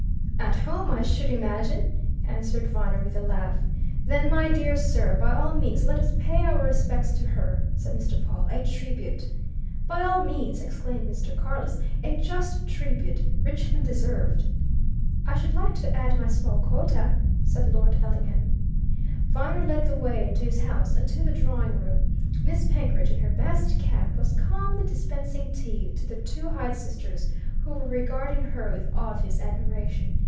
"At home, I should imagine," answered Viner with a laugh. "Then, my dear sir, by all means let us pay our respects to her!" said Mr. Pawle. "A tribute!" "By all means!" exclaimed Mr. Carless. "A just tribute richly deserved!" "I should like to add my small quota," said Lord Ellingham. Viner led the way into his house and to the drawing room. Miss Penkridge, in her best cap, was calmly dispensing tea to the two Hyde sisters, who were regarding her with obvious admiration.